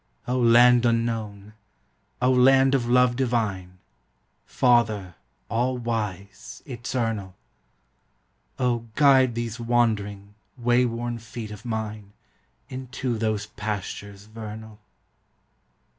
O land unknown! O land of love divine! Father, all wise, eternal! O, guide these wandering, wayworn feet of mine Into those pastures vernal!